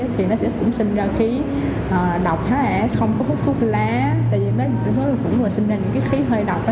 thì nó sẽ cũng sinh ra khí độc h hai s không có phút thuốc lá